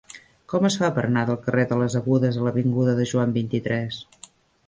Com es fa per anar del carrer de les Agudes a l'avinguda de Joan vint-i-tres?